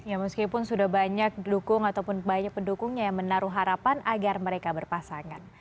ya meskipun sudah banyak dukung ataupun banyak pendukungnya yang menaruh harapan agar mereka berpasangan